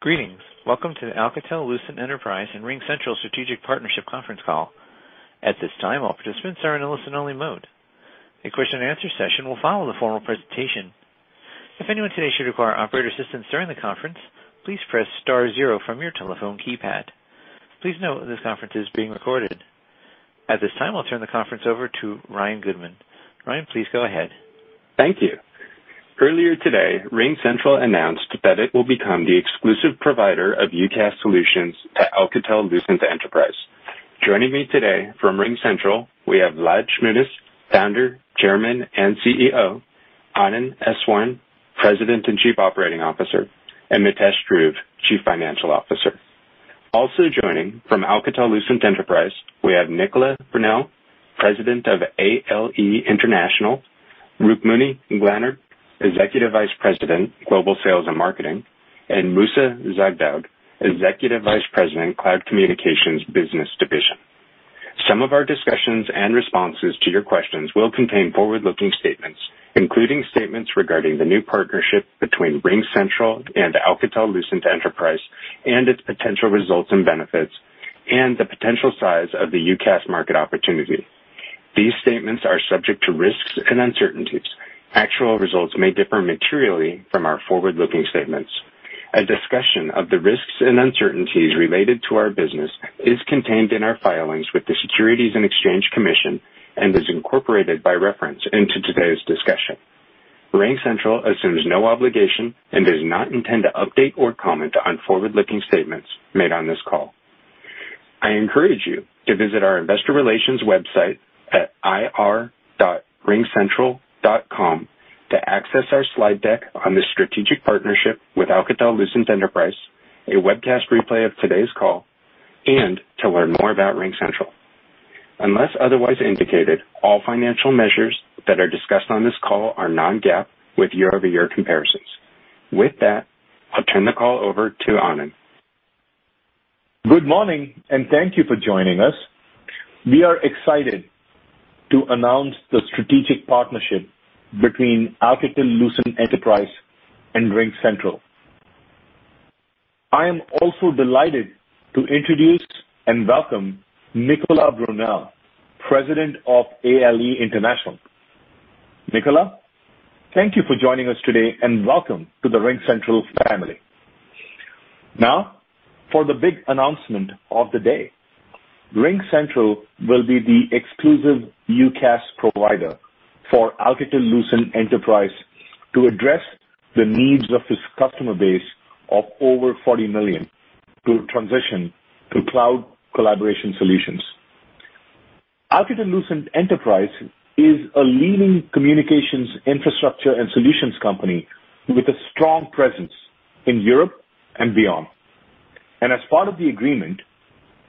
Greetings. Welcome to the Alcatel-Lucent Enterprise and RingCentral Strategic Partnership conference call. At this time, all participants are in listen-only mode. A question-and-answer session will follow the formal presentation. If anyone today should require operator assistance during the conference, please press star zero from your telephone keypad. Please note, this conference is being recorded. At this time, I'll turn the conference over to Ryan Goodman. Ryan, please go ahead. Thank you. Earlier today, RingCentral announced that it will become the exclusive provider of UCaaS solutions to Alcatel-Lucent Enterprise. Joining me today from RingCentral, we have Vlad Shmunis, Founder, Chairman, and CEO, Anand Eswaran, President and Chief Operating Officer, and Mitesh Dhruv, Chief Financial Officer. Also joining from Alcatel-Lucent Enterprise, we have Nicolas Brunel, President of ALE International, Rukmini Glanard, Executive Vice President, Global Sales and Marketing, and Moussa Zaghdoud, Executive Vice President, Cloud Communications Business Division. Some of our discussions and responses to your questions will contain forward-looking statements, including statements regarding the new partnership between RingCentral and Alcatel-Lucent Enterprise and its potential results and benefits and the potential size of the UCaaS market opportunity. These statements are subject to risks and uncertainties. Actual results may differ materially from our forward-looking statements. A discussion of the risks and uncertainties related to our business is contained in our filings with the Securities and Exchange Commission and is incorporated by reference into today's discussion. RingCentral assumes no obligation and does not intend to update or comment on forward-looking statements made on this call. I encourage you to visit our investor relations website at ir.ringcentral.com to access our slide deck on the strategic partnership with Alcatel-Lucent Enterprise, a webcast replay of today's call, and to learn more about RingCentral. Unless otherwise indicated, all financial measures that are discussed on this call are non-GAAP with year-over-year comparisons. With that, I'll turn the call over to Anand. Good morning, and thank you for joining us. We are excited to announce the strategic partnership between Alcatel-Lucent Enterprise and RingCentral. I am also delighted to introduce and welcome Nicolas Brunel, President of ALE International. Nicolas, thank you for joining us today, and welcome to the RingCentral family. Now, for the big announcement of the day. RingCentral will be the exclusive UCaaS provider for Alcatel-Lucent Enterprise to address the needs of its customer base of over 40 million to transition to cloud collaboration solutions. Alcatel-Lucent Enterprise is a leading communications infrastructure and solutions company with a strong presence in Europe and beyond. As part of the agreement,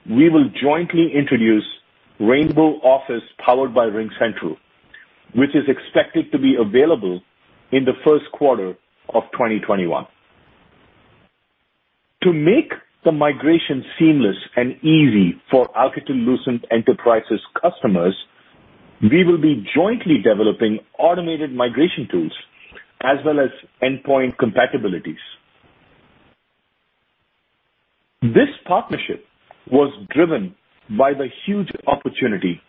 we will jointly introduce Rainbow Office powered by RingCentral, which is expected to be available in the first quarter of 2021. To make the migration seamless and easy for Alcatel-Lucent Enterprise's customers, we will be jointly developing automated migration tools as well as endpoint compatibilities. This partnership was driven by the huge opportunity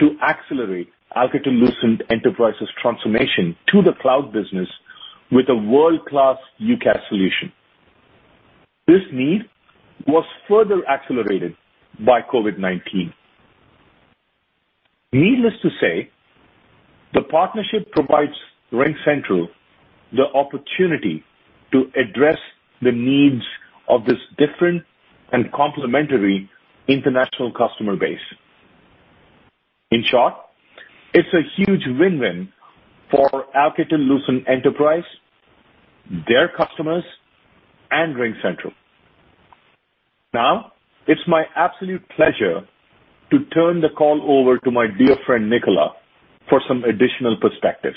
to accelerate Alcatel-Lucent Enterprise's transformation to the cloud business with a world-class UCaaS solution. This need was further accelerated by COVID-19. Needless to say, the partnership provides RingCentral the opportunity to address the needs of this different and complementary international customer base. In short, it's a huge win-win for Alcatel-Lucent Enterprise, their customers, and RingCentral. Now, it's my absolute pleasure to turn the call over to my dear friend, Nicolas, for some additional perspective.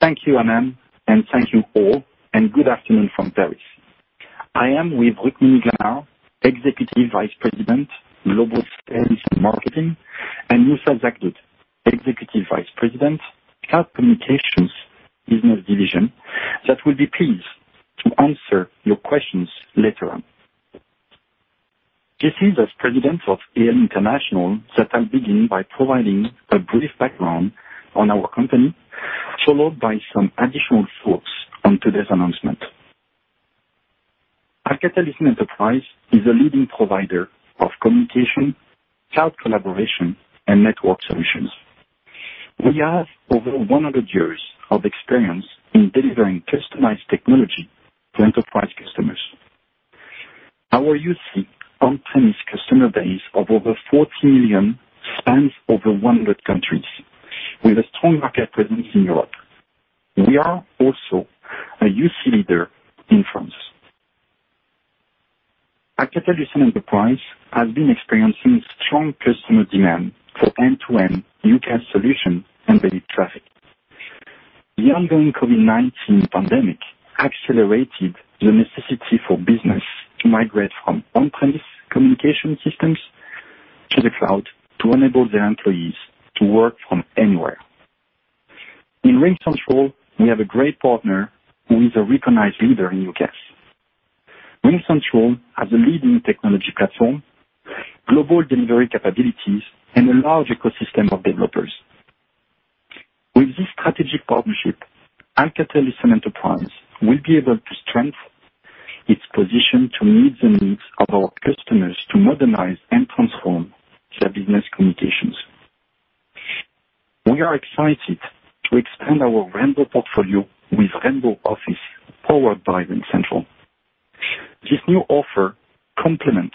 Thank you, Anand, and thank you all, and good afternoon from Paris. I am with Rukmini Glanard, Executive Vice President, Global Sales and Marketing, and Moussa Zaghdoud, Executive Vice President, Cloud Communications Business Division, that will be pleased to answer your questions later on. It is as President of ALE International that I begin by providing a brief background on our company, followed by some additional thoughts on today's announcement. Alcatel-Lucent Enterprise is a leading provider of communication, cloud collaboration, and network solutions. We have over 100 years of experience in delivering customized technology to enterprise customers. Our UC on-premise customer base of over 40 million spans over 100 countries, with a strong market presence in Europe. We are also a UC leader in France. Alcatel-Lucent Enterprise has been experiencing strong customer demand for end-to-end UCaaS solution and related traffic. The ongoing COVID-19 pandemic accelerated the necessity for business to migrate from on-premise communication systems to the cloud to enable their employees to work from anywhere. In RingCentral, we have a great partner who is a recognized leader in UCaaS. RingCentral has a leading technology platform, global delivery capabilities, and a large ecosystem of developers. With this strategic partnership, Alcatel-Lucent Enterprise will be able to strengthen its position to meet the needs of our customers to modernize and transform their business communications. We are excited to expand our Rainbow portfolio with Rainbow Office, powered by RingCentral. This new offer complements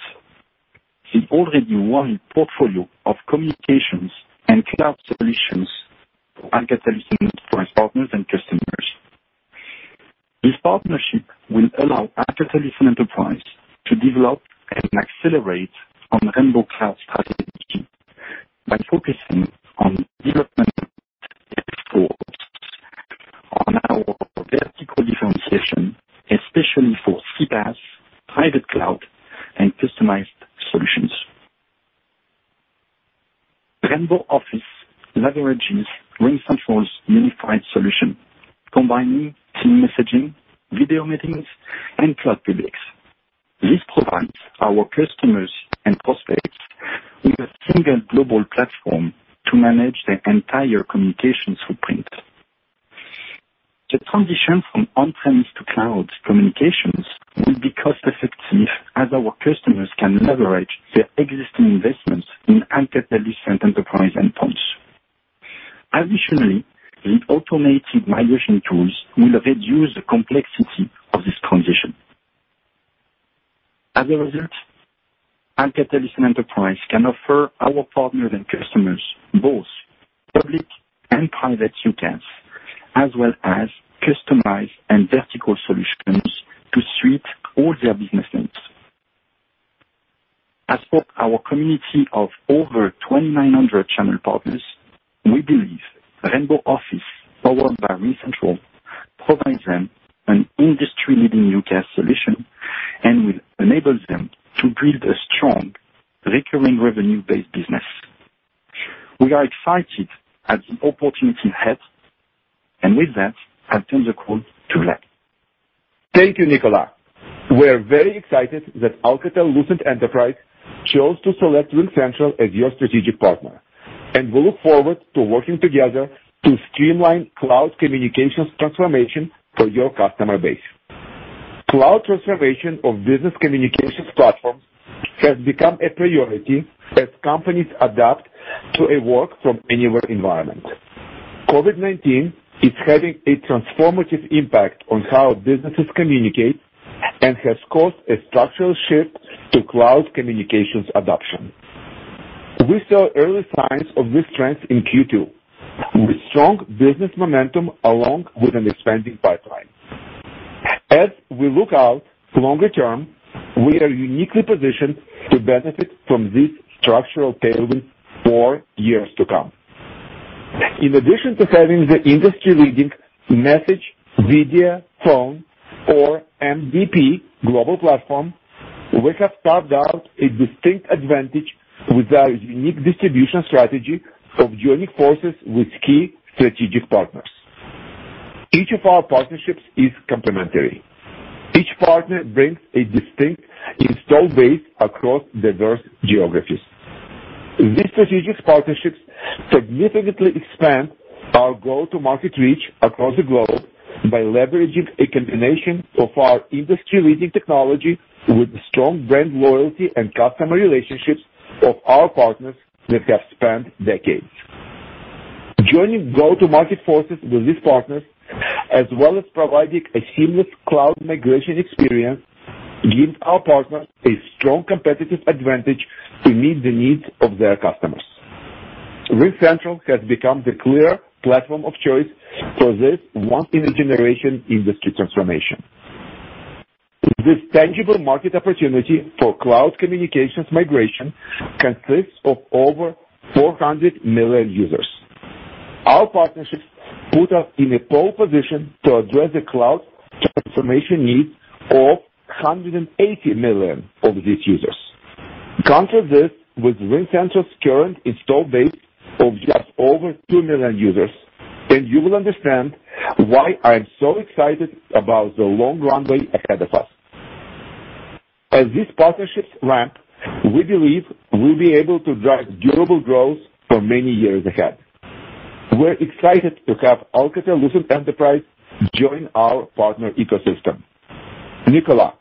the already wide portfolio of communications and cloud solutions for Alcatel-Lucent Enterprise partners and customers. This partnership will allow Alcatel-Lucent Enterprise to develop and accelerate on Rainbow cloud strategy by focusing on development and on our vertical differentiation, especially for CPaaS, private cloud, and customized solutions. Rainbow Office leverages RingCentral's unified solution, combining team messaging, video meetings, and cloud PBX. This provides our customers and prospects with a single global platform to manage their entire communications footprint. The transition from on-premise to cloud communications will be cost effective, as our customers can leverage their existing investments in Alcatel-Lucent Enterprise endpoints. Additionally, the automated migration tools will reduce the complexity of this transition. As a result, Alcatel-Lucent Enterprise can offer our partners and customers both public and private UCaaS, as well as customized and vertical solutions to suit all their business needs. Our community of over 2,900 channel partners, we believe Rainbow Office, powered by RingCentral, provides them an industry-leading UCaaS solution and will enable them to build a strong recurring revenue-based business. We are excited at the opportunity ahead. With that, I'll turn the call to Vlad. Thank you, Nicolas. We're very excited that Alcatel-Lucent Enterprise chose to select RingCentral as your strategic partner, and we look forward to working together to streamline cloud communications transformation for your customer base. Cloud transformation of business communications platform has become a priority as companies adapt to a work from anywhere environment. COVID-19 is having a transformative impact on how businesses communicate and has caused a structural shift to cloud communications adoption. We saw early signs of this trend in Q2, with strong business momentum along with an expanding pipeline. As we look out longer term, we are uniquely positioned to benefit from this structural tailwind for years to come. In addition to having the industry-leading message, video, phone or MVP global platform, we have carved out a distinct advantage with our unique distribution strategy of joining forces with key strategic partners. Each of our partnerships is complementary. Each partner brings a distinct install base across diverse geographies. These strategic partnerships significantly expand our go-to-market reach across the globe by leveraging a combination of our industry-leading technology with strong brand loyalty and customer relationships of our partners that have spanned decades. Joining go-to-market forces with these partners, as well as providing a seamless cloud migration experience, gives our partners a strong competitive advantage to meet the needs of their customers. RingCentral has become the clear platform of choice for this once-in-a-generation industry transformation. This tangible market opportunity for cloud communications migration consists of over 400 million users. Our partnerships put us in a pole position to address the cloud transformation needs of 180 million of these users. Contrast this with RingCentral's current install base of just over 2 million users, and you will understand why I'm so excited about the long runway ahead of us. As these partnerships ramp, we believe we'll be able to drive durable growth for many years ahead. We're excited to have Alcatel-Lucent Enterprise join our partner ecosystem. Nicolas,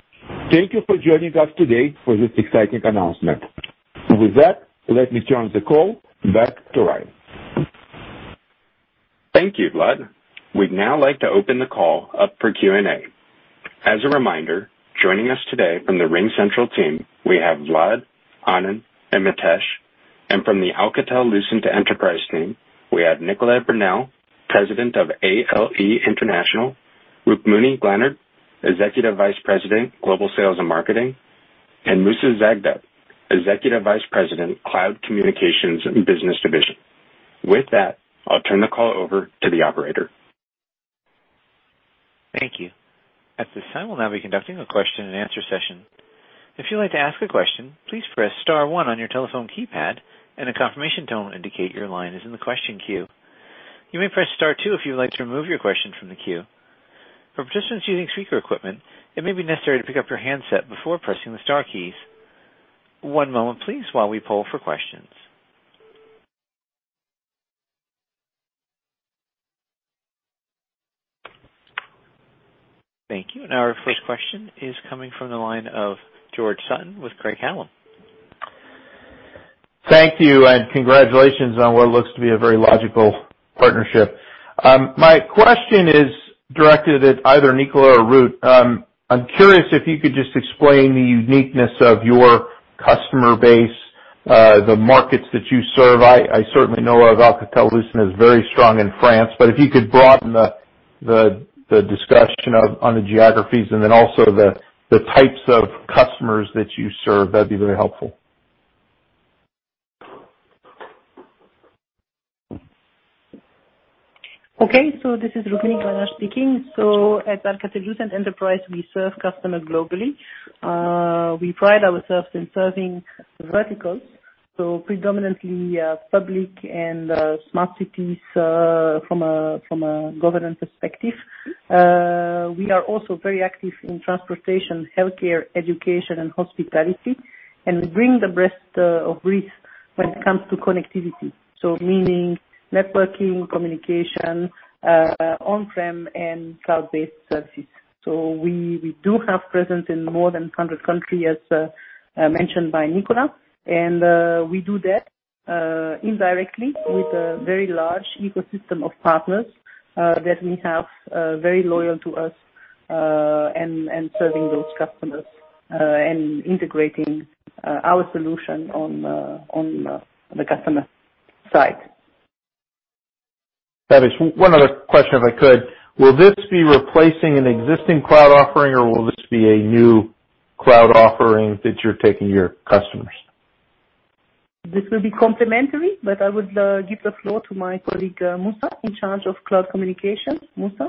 thank you for joining us today for this exciting announcement. With that, let me turn the call back to Ryan. Thank you, Vlad. We'd now like to open the call up for Q&A. As a reminder, joining us today from the RingCentral team, we have Vlad, Anand, and Mitesh. From the Alcatel-Lucent Enterprise team, we have Nicolas Brunel, President of ALE International, Rukmini Glanard, Executive Vice President, Global Sales and Marketing, and Moussa Zaghdoud, Executive Vice President, Cloud Communications Business Division. With that, I'll turn the call over to the operator. Thank you. At this time, we'll now be conducting a question-and-answer session. If you'd like to ask a question, please press star one on your telephone keypad, and a confirmation tone will indicate your line is in the question queue. You may press star two if you'd like to remove your question from the queue. For participants using speaker equipment, it may be necessary to pick up your handset before pressing the star keys. One moment, please, while we poll for questions. Thank you. Our first question is coming from the line of George Sutton with Craig-Hallum. Thank you, and congratulations on what looks to be a very logical partnership. My question is directed at either Nicolas or Rukmini. I'm curious if you could just explain the uniqueness of your customer base, the markets that you serve. I certainly know Alcatel-Lucent is very strong in France, but if you could broaden the discussion on the geographies and then also the types of customers that you serve, that'd be very helpful. Okay. This is Rukmini Glanard speaking. At Alcatel-Lucent Enterprise, we serve customers globally. We pride ourselves in serving verticals, predominantly public and smart cities from a governance perspective. We are also very active in transportation, healthcare, education, and hospitality, we bring the breadth of reach when it comes to connectivity. Meaning networking, communication, on-prem, and cloud-based services. We do have presence in more than 100 countries, as mentioned by Nicolas. We do that indirectly with a very large ecosystem of partners that we have, very loyal to us, and serving those customers, and integrating our solution on the customer side. That is. One other question, if I could. Will this be replacing an existing cloud offering, or will this be a new cloud offering that you're taking to your customers? This will be complementary, but I would give the floor to my colleague, Moussa, in charge of cloud communications. Moussa?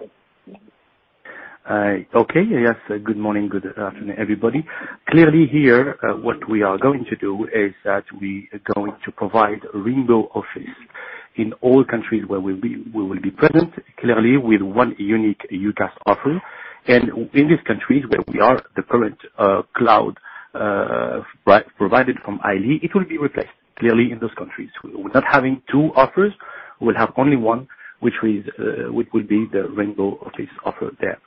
Okay. Yes. Good morning. Good afternoon, everybody. Clearly here, what we are going to do is that we are going to provide Rainbow Office in all countries where we will be present, clearly with one unique UCaaS offering. In these countries where we are the current cloud provider from ALE, it will be replaced. Clearly, in those countries, we're not having two offers. We'll have only one, which will be the Rainbow Office offer there.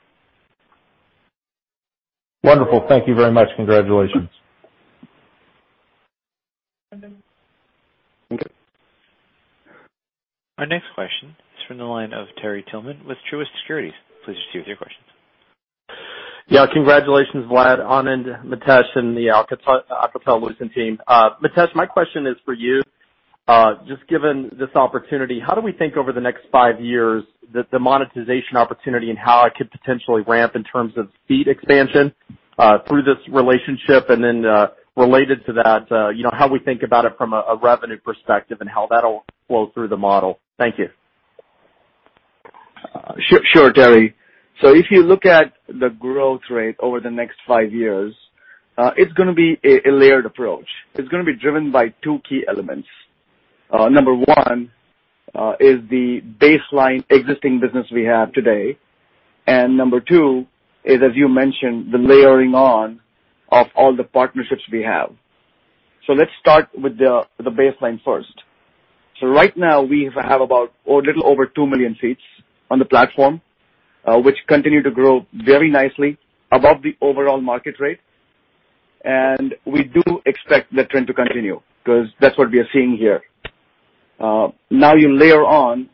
Wonderful. Thank you very much. Congratulations. Thank you. Our next question is from the line of Terry Tillman with Truist Securities. Please proceed with your questions. Congratulations, Vlad, Anand, Mitesh, and the Alcatel-Lucent team. Mitesh, my question is for you. Just given this opportunity, how do we think over the next five years that the monetization opportunity and how it could potentially ramp in terms of seat expansion through this relationship, and then related to that, how we think about it from a revenue perspective and how that'll flow through the model? Thank you. Sure, Terry. If you look at the growth rate over the next five years, it's going to be a layered approach. It's going to be driven by two key elements. Number one is the baseline existing business we have today, and number two is, as you mentioned, the layering on of all the partnerships we have. Let's start with the baseline first. Right now, we have a little over 2 million seats on the platform, which continue to grow very nicely above the overall market rate. We do expect that trend to continue because that's what we are seeing here. Now you layer on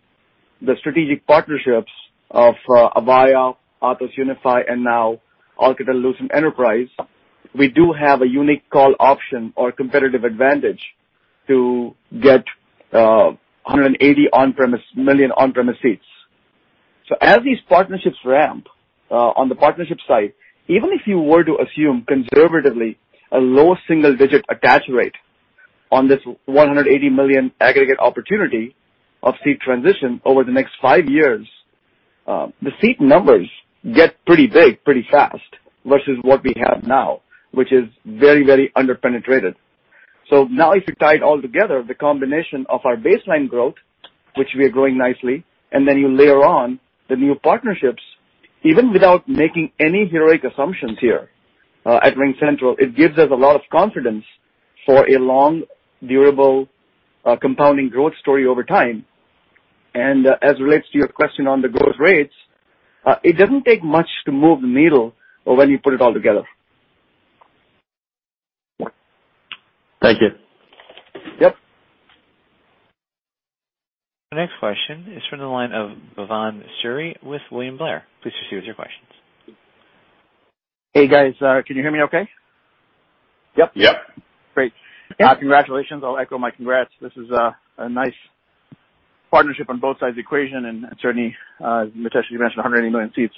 the strategic partnerships of Avaya, Atos Unify, and now Alcatel-Lucent Enterprise. We do have a unique call option or competitive advantage to get 180 million on-premise seats. As these partnerships ramp on the partnership side, even if you were to assume conservatively a low single-digit attach rate on this 180 million aggregate opportunity of seat transition over the next five years, the seat numbers get pretty big pretty fast versus what we have now, which is very under-penetrated. Now if you tie it all together, the combination of our baseline growth, which we are growing nicely, and then you layer on the new partnerships, even without making any heroic assumptions here at RingCentral, it gives us a lot of confidence for a long, durable, compounding growth story over time. As it relates to your question on the growth rates, it doesn't take much to move the needle when you put it all together. Thank you. Yep. The next question is from the line of Bhavan Suri with William Blair. Please proceed with your questions. Hey, guys. Can you hear me okay? Yep. Yep. Great. Yeah. Congratulations. I'll echo my congrats. This is a nice partnership on both sides of the equation, certainly, Mitesh, you mentioned 180 million seats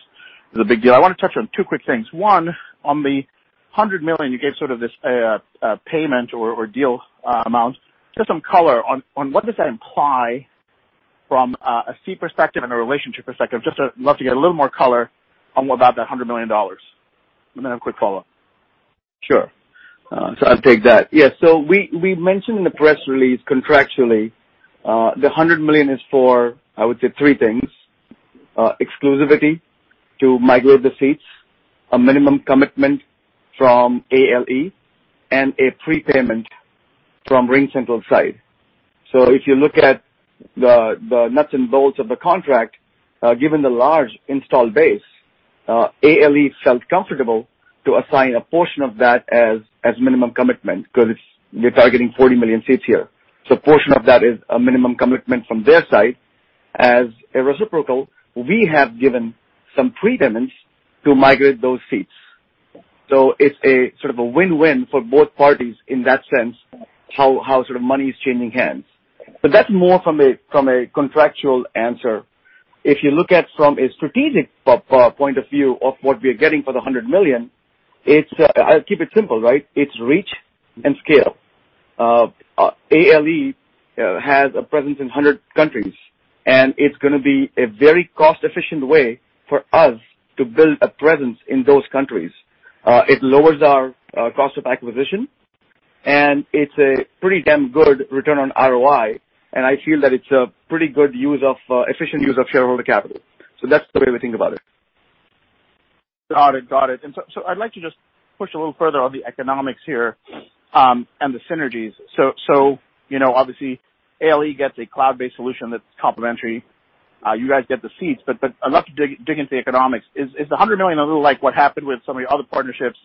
is a big deal. I want to touch on two quick things. One, on the $100 million, you gave this payment or deal amount. Just some color on what does that imply from a seat perspective and a relationship perspective? Just love to get a little more color on about that $100 million. Then a quick follow-up. Sure. I'll take that. Yeah. We mentioned in the press release contractually, the $100 million is for, I would say, three things: exclusivity to migrate the seats, a minimum commitment from ALE, and a prepayment from RingCentral's side. If you look at the nuts and bolts of the contract, given the large install base, ALE felt comfortable to assign a portion of that as minimum commitment because they're targeting 40 million seats here. A portion of that is a minimum commitment from their side. As a reciprocal, we have given some pre-payments to migrate those seats. It's a sort of a win-win for both parties in that sense, how money is changing hands. That's more from a contractual answer. If you look at from a strategic point of view of what we are getting for the $100 million, I'll keep it simple, right? It's reach and scale. ALE has a presence in 100 countries, and it's going to be a very cost-efficient way for us to build a presence in those countries. It lowers our cost of acquisition, and it's a pretty damn good return on ROI, and I feel that it's a pretty good efficient use of shareholder capital. That's the way we think about it. Got it. I'd like to just push a little further on the economics here, and the synergies. Obviously ALE gets a cloud-based solution that's complementary. You guys get the seats, I'd love to dig into economics. Is the $100 million a little like what happened with some of your other partnerships?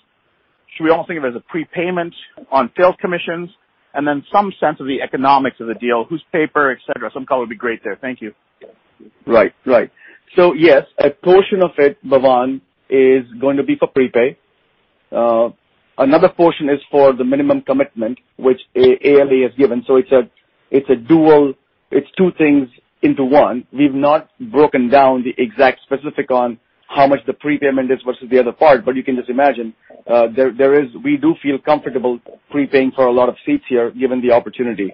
Should we all think of it as a prepayment on sales commissions and then some sense of the economics of the deal, who's paper, et cetera? Some color would be great there. Thank you. Right. Yes, a portion of it, Bhavan, is going to be for prepay. Another portion is for the minimum commitment which ALE has given. It's two things into one. We've not broken down the exact specific on how much the prepayment is versus the other part, but you can just imagine, we do feel comfortable prepaying for a lot of seats here, given the opportunity.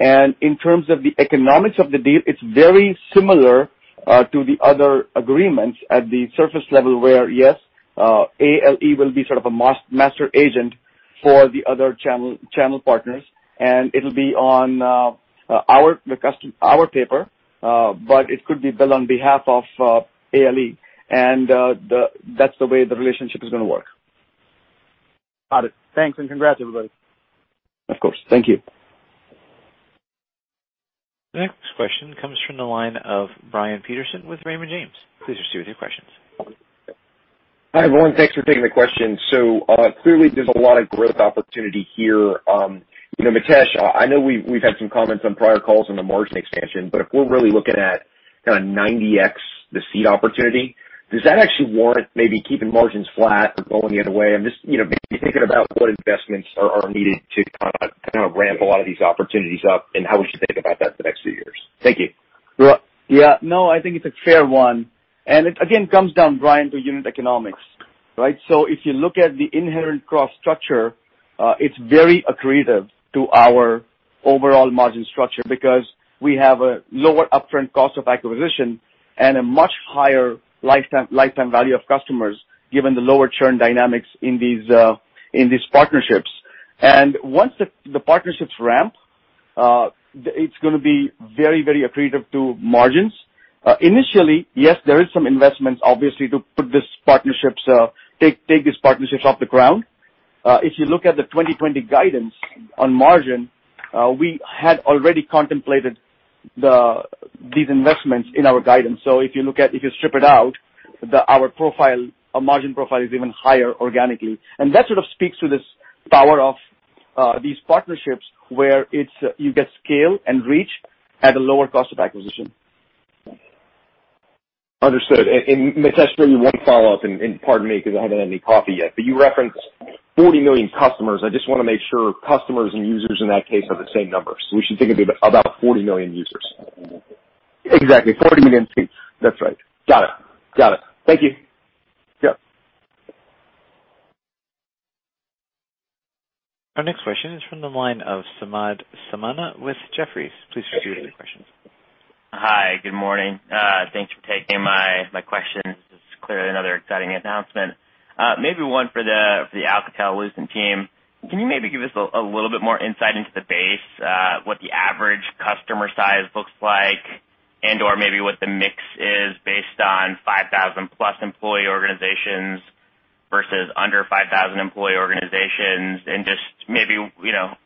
In terms of the economics of the deal, it's very similar to the other agreements at the surface level, where, yes, ALE will be sort of a master agent for the other channel partners, and it'll be on our paper. It could be billed on behalf of ALE, and that's the way the relationship is going to work. Got it. Thanks and congrats, everybody. Of course. Thank you. The next question comes from the line of Brian Peterson with Raymond James. Please proceed with your questions. Hi, everyone. Thanks for taking the question. Clearly there's a lot of growth opportunity here. Mitesh, I know we've had some comments on prior calls on the margin expansion, but if we're really looking at kind of 90x the seat opportunity, does that actually warrant maybe keeping margins flat or going the other way? I'm just maybe thinking about what investments are needed to kind of ramp a lot of these opportunities up and how we should think about that for the next few years? Thank you. Yeah. No, I think it's a fair one. It again comes down, Brian, to unit economics, right? If you look at the inherent cost structure, it's very accretive to our overall margin structure because we have a lower upfront cost of acquisition and a much higher lifetime value of customers, given the lower churn dynamics in these partnerships. Once the partnerships ramp, it's going to be very accretive to margins. Initially, yes, there is some investments obviously to take these partnerships off the ground. If you look at the 2020 guidance on margin, we had already contemplated these investments in our guidance. If you strip it out, our margin profile is even higher organically. That sort of speaks to this power of these partnerships where you get scale and reach at a lower cost of acquisition. Understood. Mitesh, maybe one follow-up, and pardon me because I haven't had any coffee yet, but you referenced 40 million customers. I just want to make sure customers and users in that case are the same numbers. We should think it'd be about 40 million users. Exactly. 40 million seats. That's right. Got it. Thank you. Yep. Our next question is from the line of Samad Samana with Jefferies. Please proceed with your questions. Hi, good morning. Thanks for taking my questions. This is clearly another exciting announcement. Maybe one for the Alcatel-Lucent team. Can you maybe give us a little bit more insight into the base, what the average customer size looks like and/or maybe what the mix is based on 5,000+ employee organizations versus under 5,000 employee organizations? And just maybe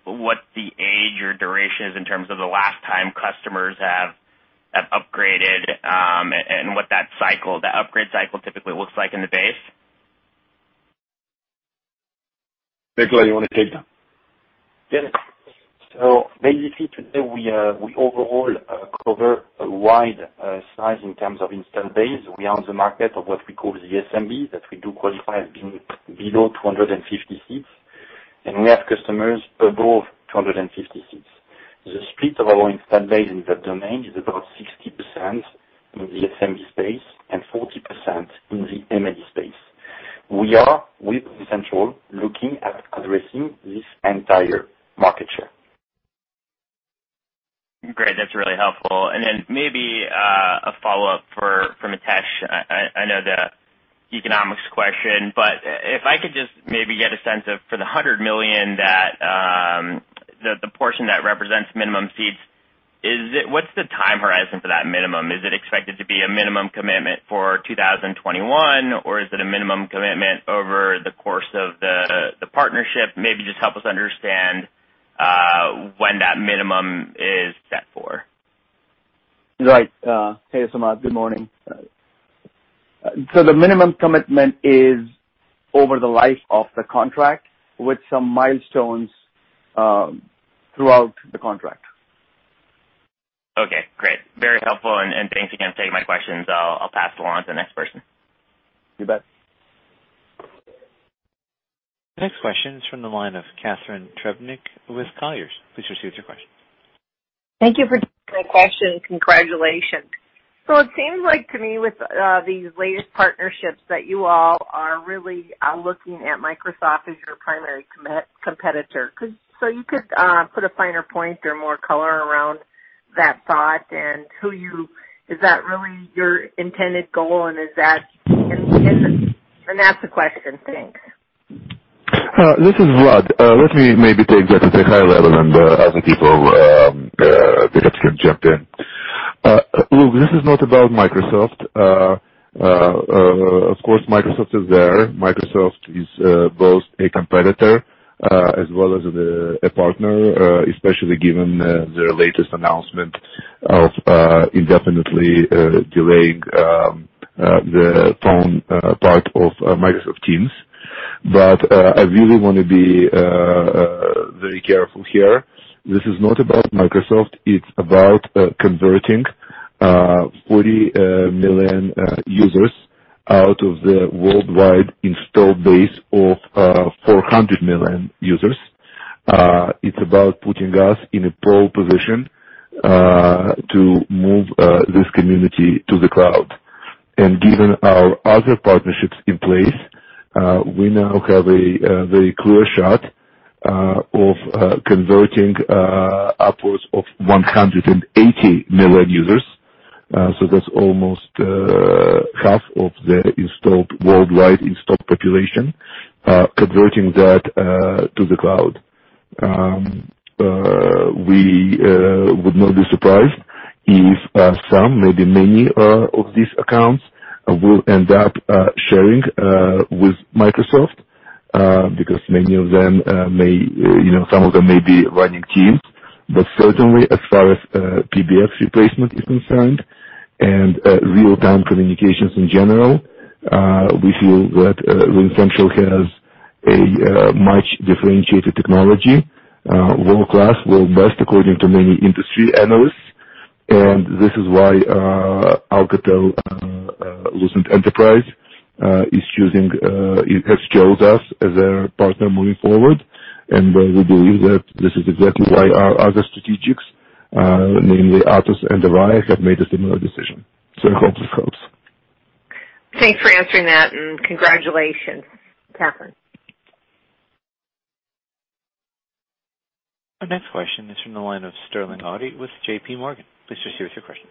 what the age or duration is in terms of the last time customers have upgraded, and what that upgrade cycle typically looks like in the base? Nicolas, you want to take that? Yes. Basically today we overall cover a wide size in terms of install base. We are on the market of what we call the SMB, that we do qualify as being below 250 seats. We have customers above 250 seats. The split of our install base in that domain is about 60% in the SMB space and 40% in the mid-enterprise space. We are, with RingCentral, looking at addressing this entire market share. Great. That's really helpful. Then maybe a follow-up for Mitesh. I know the economics question, but if I could just maybe get a sense of, for the $100 million, the portion that represents minimum seats, what's the time horizon for that minimum? Is it expected to be a minimum commitment for 2021, or is it a minimum commitment over the course of the partnership? Maybe just help us understand when that minimum is set for. Right. Hey, Samad. Good morning. The minimum commitment is over the life of the contract with some milestones throughout the contract. Okay, great. Very helpful, and thanks again for taking my questions. I'll pass along to the next person. You bet. Next question is from the line of Catharine Trebnick with Colliers. Please proceed with your question. Thank you for taking my question. Congratulations. It seems like to me with these latest partnerships that you all are really looking at Microsoft as your primary competitor. You could put a finer point or more color around that thought and is that really your intended goal? That's the question. Thanks. This is Vlad. Let me maybe take that at a high level, and other people perhaps can jump in. Look, this is not about Microsoft. Of course, Microsoft is there. Microsoft is both a competitor as well as a partner, especially given their latest announcement of indefinitely delaying the phone part of Microsoft Teams. I really want to be very careful here. This is not about Microsoft. It's about converting 40 million users out of the worldwide install base of 400 million users. It's about putting us in a pole position to move this community to the cloud. Given our other partnerships in place, we now have a very clear shot of converting upwards of 180 million users. That's almost half of the worldwide installed population, converting that to the cloud. We would not be surprised if some, maybe many of these accounts, will end up sharing with Microsoft, because some of them may be running Teams. Certainly, as far as PBX replacement is concerned and real-time communications in general, we feel that RingCentral has a much differentiated technology, world-class, world-best, according to many industry analysts. This is why Alcatel-Lucent Enterprise has chosen us as their partner moving forward. We believe that this is exactly why our other strategics, namely Atos and Avaya, have made a similar decision. I hope this helps. Thanks for answering that, and congratulations. Vlad. Our next question is from the line of Sterling Auty with JPMorgan. Please proceed with your question.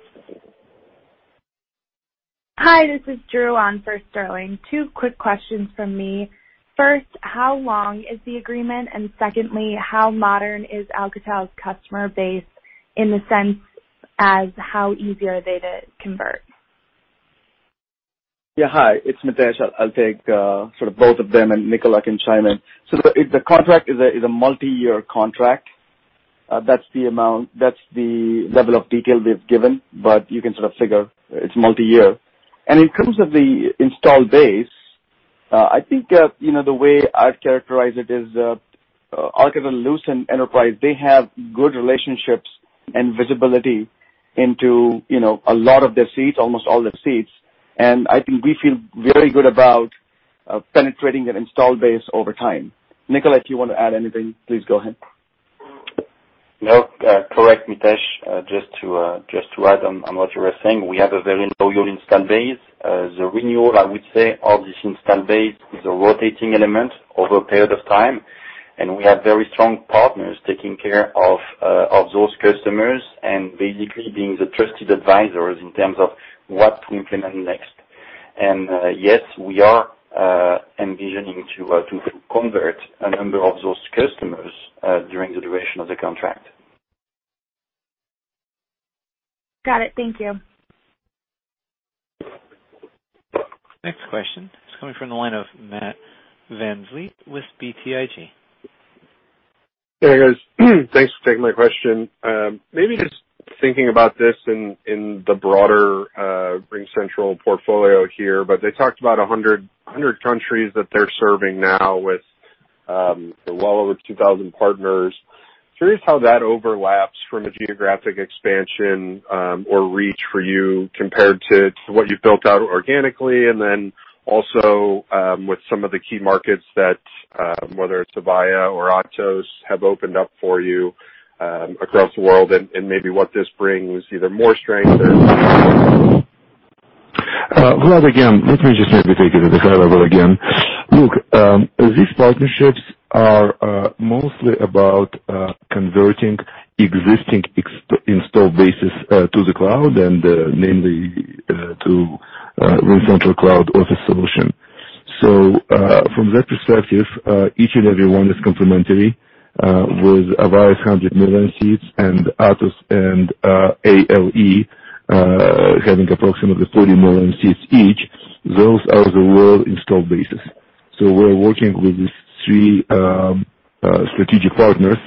Hi, this is Drew on for Sterling. Two quick questions from me. First, how long is the agreement? Secondly, how modern is Alcatel's customer base in the sense as how easy are they to convert? Yeah. Hi, it's Mitesh. I'll take sort of both of them. Nicolas can chime in. The contract is a multi-year contract. That's the level of detail we've given. You can sort of figure it's multi-year. In terms of the install base, I think the way I'd characterize it is Alcatel-Lucent Enterprise, they have good relationships and visibility into a lot of their seats, almost all their seats, and I think we feel very good about penetrating that install base over time. Nicolas, if you want to add anything, please go ahead. No. Correct, Mitesh. Just to add on what you were saying, we have a very loyal install base. The renewal, I would say, of this install base is a rotating element over a period of time, and we have very strong partners taking care of those customers and basically being the trusted advisors in terms of what to implement next. Yes, we are envisioning to convert a number of those customers during the duration of the contract. Got it. Thank you. Next question is coming from the line of Matt VanVliet with BTIG. Hey, guys. Thanks for taking my question. Maybe just thinking about this in the broader RingCentral portfolio here. They talked about 100 countries that they're serving now with well over 2,000 partners. Curious how that overlaps from a geographic expansion, or reach for you compared to what you've built out organically, and then also with some of the key markets that, whether it's Avaya or Atos, have opened up for you across the world and maybe what this brings, either more strength. Vlad, again, let me just maybe take it at a high level again. Look, these partnerships are mostly about converting existing installed bases to the cloud and namely to RingCentral cloud office solution. From that perspective, each and every one is complementary, with Avaya's 100 million seats and Atos and ALE having approximately 40 million seats each, those are the world-installed bases. We're working with these three strategic partners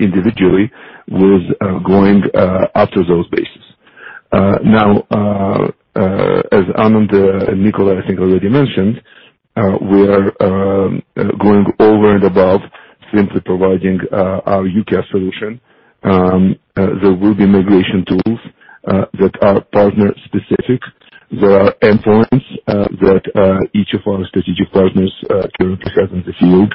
individually with going after those bases. Now, as Anand and Nicolas, I think, already mentioned, we are going over and above simply providing our UCaaS solution. There will be migration tools that are partner-specific. There are endpoints that each of our strategic partners currently has in the field.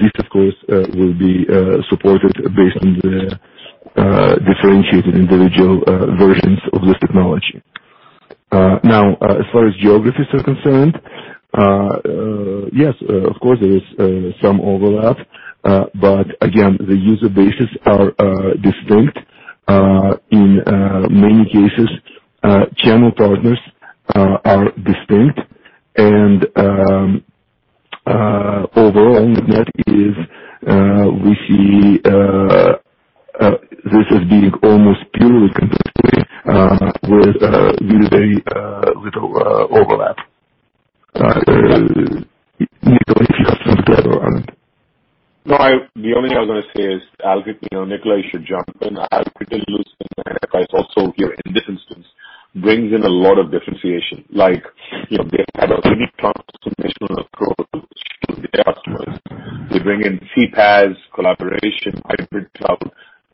This, of course, will be supported based on the differentiated individual versions of this technology. Now, as far as geographies are concerned, yes, of course there is some overlap. Again, the user bases are distinct. In many cases, channel partners are distinct. Overall net is, we see this as being almost purely complementary with very little overlap. Nicolas, if you have something to add, or Anand? The only thing I was going to say is, Nicolas, you should jump in. Here in this instance brings in a lot of differentiation, like they've had a unique transformational approach to their customers. They bring in CPaaS, collaboration, hybrid cloud,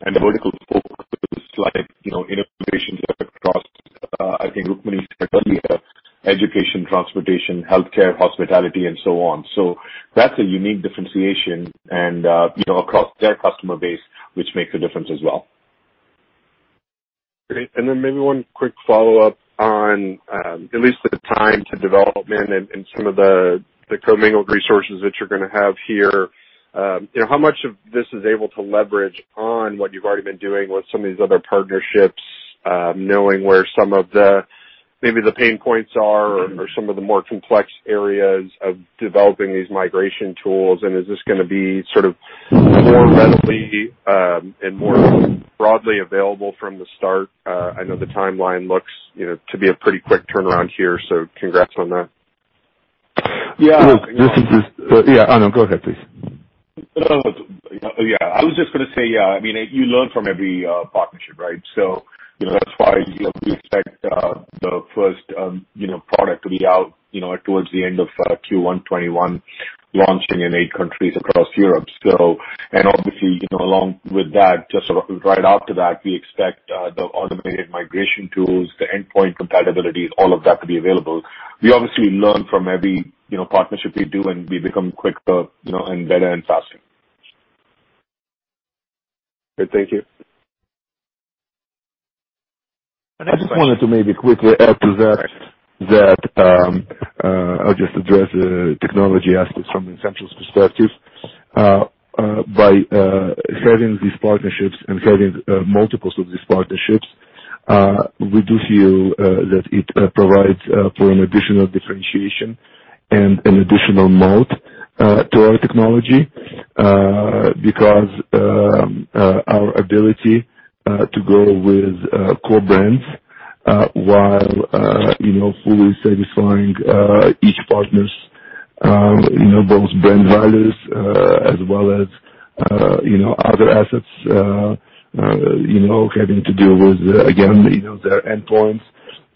and vertical focuses like innovations that across, I think Rukmini said earlier, education, transportation, healthcare, hospitality, and so on. That's a unique differentiation and across their customer base, which makes a difference as well. Great. Then maybe one quick follow-up on at least the time to development and some of the co-mingled resources that you're going to have here. How much of this is able to leverage on what you've already been doing with some of these other partnerships, knowing where some of the, maybe the pain points are or some of the more complex areas of developing these migration tools, and is this going to be sort of more readily and more broadly available from the start? I know the timeline looks to be a pretty quick turnaround here, so congrats on that. Yeah. Yeah. Anand, go ahead, please. You learn from every partnership, right? That's why we expect the first product to be out towards the end of Q1 2021, launching in eight countries across Europe. Obviously, along with that, just sort of right after that, we expect the automated migration tools, the endpoint compatibilities, all of that to be available. We obviously learn from every partnership we do, and we become quicker and better and faster. Okay. Thank you. I just wanted to maybe quickly add to that. I'll just address the technology aspect from RingCentral's perspective. By having these partnerships and having multiples of these partnerships, we do feel that it provides for an additional differentiation and an additional moat to our technology, because our ability to go with core brands, while fully satisfying each partner's both brand values as well as other assets having to deal with, again, their endpoints,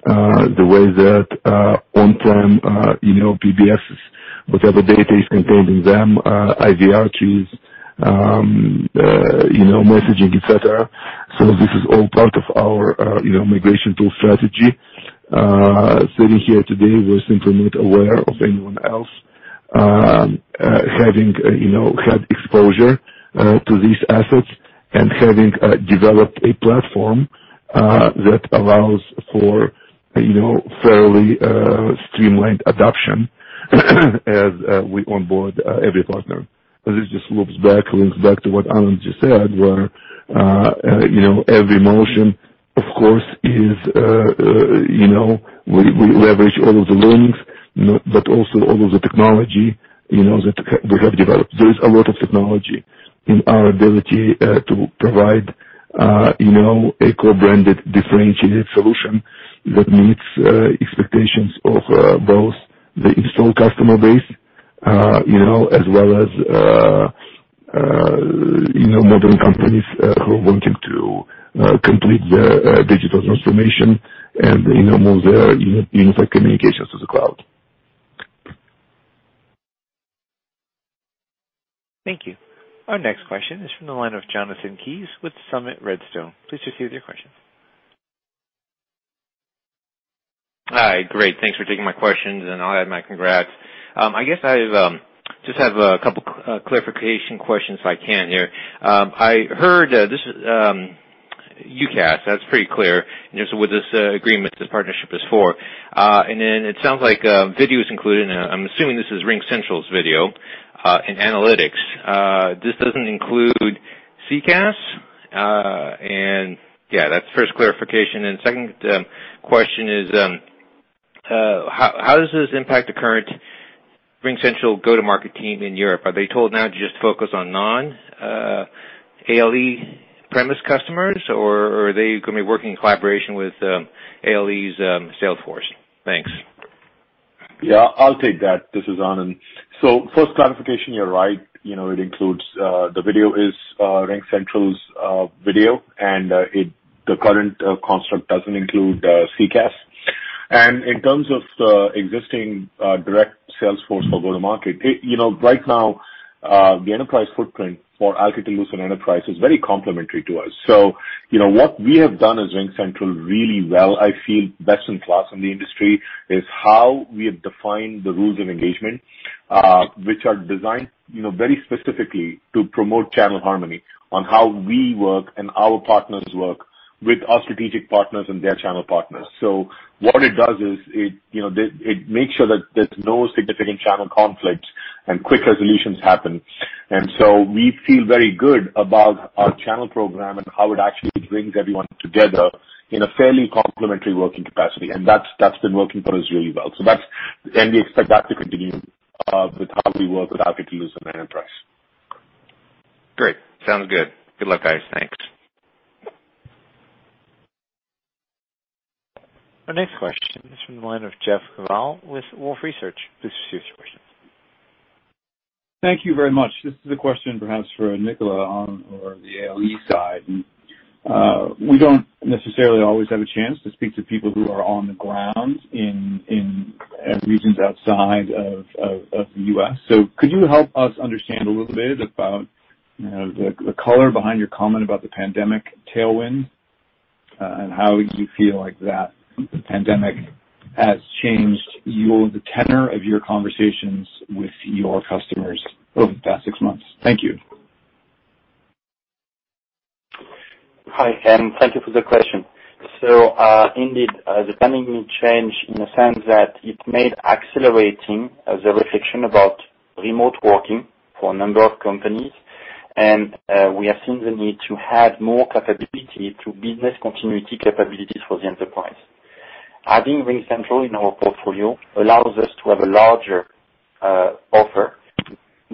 the way their on-prem PBXs, whatever data is contained in them, IVRs, messaging, et cetera. This is all part of our migration tool strategy. Sitting here today, we're simply not aware of anyone else having had exposure to these assets and having developed a platform that allows for fairly streamlined adoption as we onboard every partner. This just loops back, links back to what Anand just said, where every motion, of course, we leverage all of the learnings, but also all of the technology that we have developed. There is a lot of technology in our ability to provide a co-branded, differentiated solution that meets expectations of both the installed customer base as well as modern companies who are wanting to complete their digital transformation and move their unified communications to the cloud. Thank you. Our next question is from the line of Jonathan Kees with Summit Redstone. Please proceed with your question. Hi. Great. Thanks for taking my questions, and I'll add my congrats. I guess I just have a couple clarification questions if I can here. I heard UCaaS, that's pretty clear, and with this agreement, this partnership is for. It sounds like video is included, and I'm assuming this is RingCentral's video, and analytics. This doesn't include CCaaS? That's the first clarification. Second question is, how does this impact the current RingCentral go-to-market team in Europe? Are they told now to just focus on non-ALE premise customers, or are they going to be working in collaboration with ALE's sales force? Thanks. I'll take that. This is Anand. First clarification, you're right. The video is RingCentral's video, and the current construct doesn't include CCaaS. In terms of the existing direct sales force for go-to-market, right now, the enterprise footprint for Alcatel-Lucent Enterprise is very complementary to us. What we have done as RingCentral really well, I feel best in class in the industry, is how we have defined the rules of engagement, which are designed very specifically to promote channel harmony on how we work and our partners work with our strategic partners and their channel partners. What it does is, it makes sure that there's no significant channel conflicts and quick resolutions happen. We feel very good about our channel program and how it actually brings everyone together in a fairly complementary working capacity. That's been working for us really well. We expect that to continue with how we work with Alcatel-Lucent Enterprise. Great. Sounds good. Good luck, guys. Thanks. Our next question is from the line of Jeff Kvaal with Wolfe Research. Please proceed with your question. Thank you very much. This is a question perhaps for Nicolas on the ALE side. We don't necessarily always have a chance to speak to people who are on the ground in regions outside of the U.S. Could you help us understand a little bit about the color behind your comment about the pandemic tailwind, and how you feel like that pandemic has changed the tenor of your conversations with your customers over the past six months? Thank you. Hi, thank you for the question. Indeed, the pandemic changed in the sense that it made accelerating the reflection about remote working for a number of companies. We have seen the need to add more capability to business continuity capabilities for the enterprise. Adding RingCentral in our portfolio allows us to have a larger offer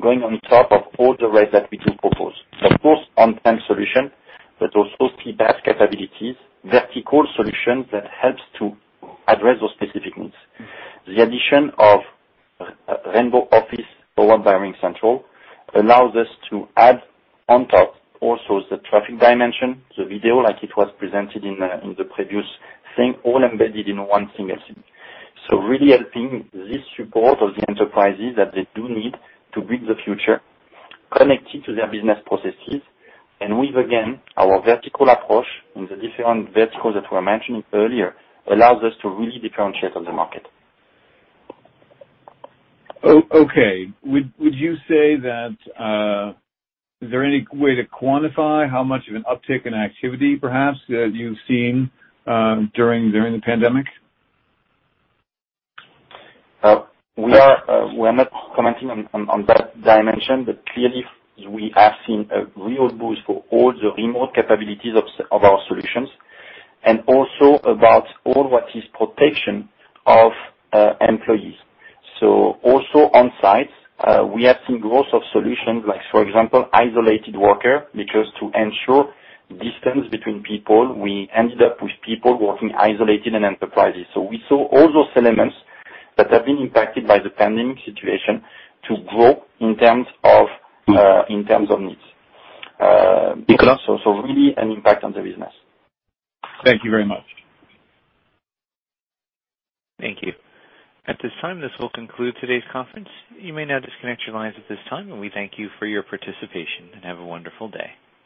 going on top of all the rest that we do propose. Of course, on-prem solution, but also CPaaS capabilities, vertical solution that helps to address those specific needs. The addition of Rainbow Office over by RingCentral allows us to add on top also the traffic dimension, the video like it was presented in the previous thing, all embedded in one single suite. Really helping this support of the enterprises that they do need to build the future connected to their business processes. With, again, our vertical approach in the different verticals that were mentioned earlier, allows us to really differentiate on the market. Is there any way to quantify how much of an uptick in activity perhaps that you've seen during the pandemic? We are not commenting on that dimension. Clearly, we have seen a real boost for all the remote capabilities of our solutions, and also about all what is protection of employees. Also on sites, we have seen growth of solutions, like for example, isolated worker, which was to ensure distance between people. We ended up with people working isolated in enterprises. We saw all those elements that have been impacted by the pandemic situation to grow in terms of needs. Nicolas Really an impact on the business. Thank you very much. Thank you. At this time, this will conclude today's conference. You may now disconnect your lines at this time. We thank you for your participation. Have a wonderful day.